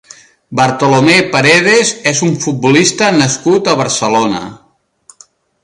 Bartolomé Paredes és un futbolista nascut a Barcelona.